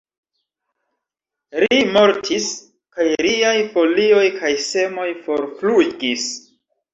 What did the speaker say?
Ri mortis, kaj riaj folioj kaj semoj forflugis.